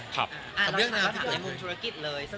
เท่านั้นเราถามในมุมศุษฐกิจเลย